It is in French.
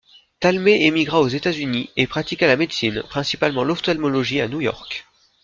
Talmey émigra aux États-Unis et pratiqua la médecine, principalement l'ophtalmologie, à New York.